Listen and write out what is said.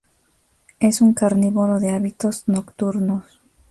Es un carnívoro de hábitos nocturnos.